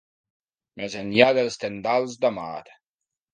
Més enllà dels tendals de mar.